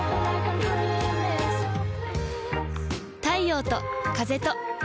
太陽と風と